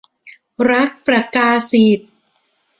รักประกาศิต